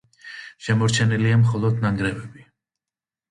შემორჩენილია მხოლოდ ნანგრევები.